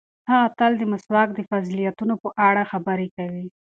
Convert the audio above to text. هغه تل د مسواک د فضیلتونو په اړه خبرې کوي.